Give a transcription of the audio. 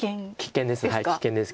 危険です。